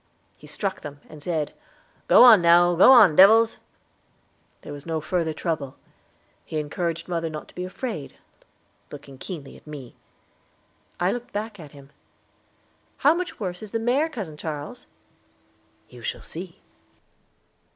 He struck them, and said, "Go on now, go on, devils." There was no further trouble. He encouraged mother not to be afraid, looking keenly at me. I looked back at him. "How much worse is the mare, cousin Charles?" "You shall see."